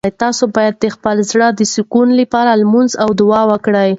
تاسو باید د خپل زړه د سکون لپاره لمونځ او دعا وکړئ.